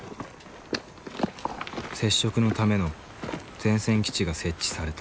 接触のための前線基地が設置された。